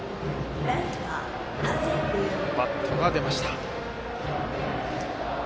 バットが出ました。